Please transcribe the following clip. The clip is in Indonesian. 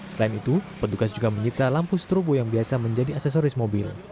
selain itu petugas juga menyita lampu strobo yang biasa menjadi aksesoris mobil